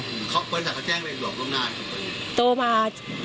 บริษัทเค้าแจ้งเลยหลวงร่วมหน้าทุกคน